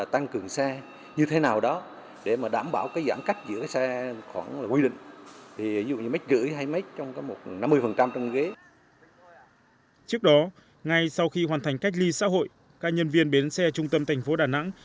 trước đó ngay sau khi hoàn thành cách ly xã hội các nhân viên bến xe trung tâm thành phố đà nẵng